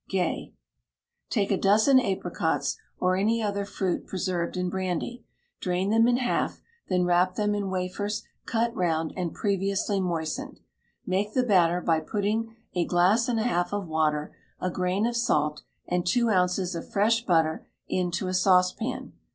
GAY. Take a dozen apricots, or any other fruit preserved in brandy; drain them in half; then wrap them in wafers, cut round, and previously moistened. Make the batter by putting a glass and a half of water, a grain of salt, and two ounces of fresh butter, into a saucepan.